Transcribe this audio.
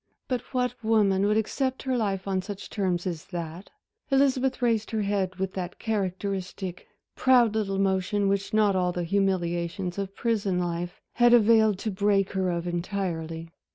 But what woman would accept her life on such terms as that? Elizabeth raised her head with that characteristic, proud little motion which not all the humiliations of prison life had availed to break her of entirely.